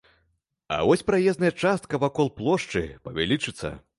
А вось праезная частка вакол плошчы павялічыцца.